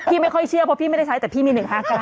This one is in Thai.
ไม่ค่อยเชื่อเพราะพี่ไม่ได้ใช้แต่พี่มี๑๕๙